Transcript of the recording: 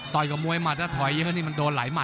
ต่อยกับมวยมัดถ้าถอยเยอะนี่มันโดนไหลมัด